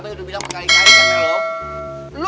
mbak be udah bilang sekali kali sama lo